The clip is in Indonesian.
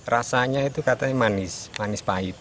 rasanya itu katanya manis manis pahit